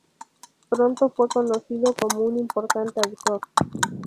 Pronto fue conocido como un importante autor.